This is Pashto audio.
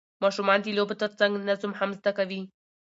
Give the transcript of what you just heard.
ماشومان د لوبو ترڅنګ نظم هم زده کوي